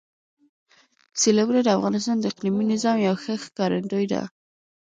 سیلابونه د افغانستان د اقلیمي نظام یو ښه ښکارندوی ده.